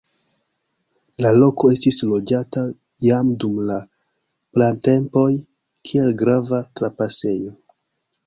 La loko estis loĝata jam dum la pratempoj, kiel grava trapasejo.